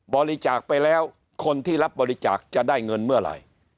บริจาคไปแล้วคนที่รับบริจาคจะได้เงินเมื่อไหร่